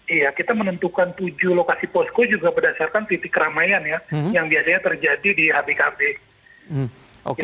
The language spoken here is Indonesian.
iya kita menentukan tujuh lokasi posko juga berdasarkan titik keramaian ya yang biasanya terjadi di hbkb